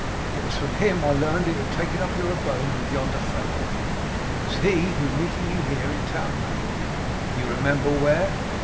It was from him I learned that you had taken up your abode with yonder fellow. It was he, who meeting you here in town, one evening you remember where?